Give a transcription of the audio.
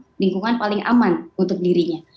itu adalah lingkungan paling aman untuk dirinya